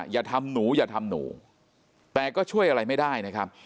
อย่าทำหนูอย่าทำหนูแต่ก็ช่วยอะไรไม่ได้นะครับ